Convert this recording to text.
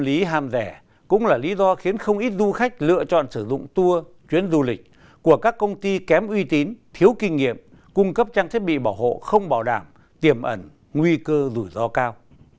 lý ham rẻ cũng là lý do khiến không ít du khách lựa chọn sử dụng tour chuyến du lịch của các công ty kém uy tín thiếu kinh nghiệm cung cấp trang thiết bị bảo hộ không bảo đảm tiềm ẩn nguy cơ rủi ro cao